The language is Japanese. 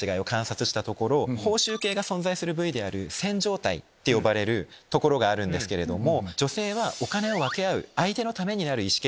報酬系が存在する部位である線条体って呼ばれる所があるんですけども。